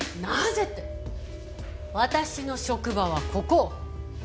なぜって私の職場はここ。